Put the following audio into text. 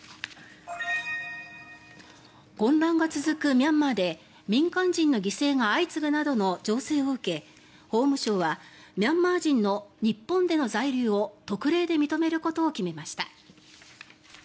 混乱が続くミャンマーで民間人の犠牲が相次ぐなどの情勢を受け法務省はミャンマー人の日本での在留を特例で認めることを決めました。